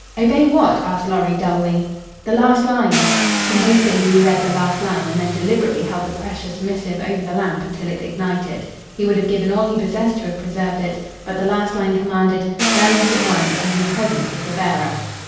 "Obey what!" asked Lorry, dully. "The last line!" He hastily reread the last line and then deliberately held the precious missive over the lamp until it ignited. He would have given all he possessed to have preserved it. But the last line commanded: "Burn this at once and in the presence of the bearer."